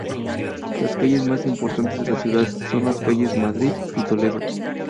Las calles más importantes de la ciudad son las calles Madrid y Toledo.